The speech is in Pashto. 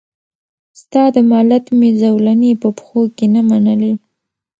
ستا د مالت مي زولنې په پښو کي نه منلې